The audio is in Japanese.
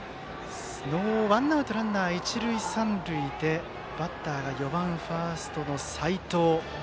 ワンアウトランナー、一塁三塁でバッターは４番ファースト、齋藤。